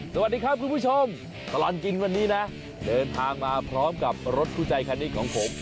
สวัสดีครับคุณผู้ชมตลอดกินวันนี้นะเดินทางมาพร้อมกับรถคู่ใจคันนี้ของผม